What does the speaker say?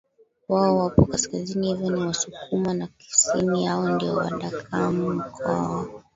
wao wapo kaskazini hivyo ni wasukuma na kusini yao ndio kuna wadakamaMkoa wa